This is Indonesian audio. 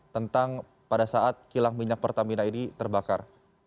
tentang pada saat kilang minyak pertamina ini terbakar